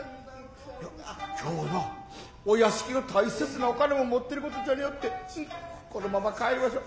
いや今日はなお屋敷の大切なお金も持ってる事じゃによって此のまま帰りましょう。